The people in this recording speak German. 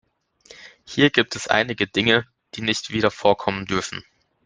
Hier gibt es einige Dinge, die nicht wieder vorkommen dürfen.